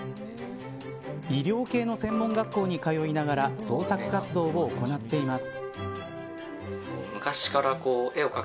医療系の専門学校に通いながら創作活動を行っています。